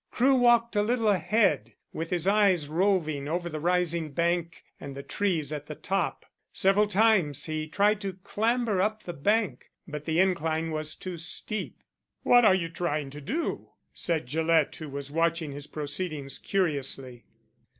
Crewe walked a little ahead, with his eyes roving over the rising bank and the trees at the top. Several times he tried to clamber up the bank, but the incline was too steep. "What are you trying to do?" said Gillett, who was watching his proceedings curiously.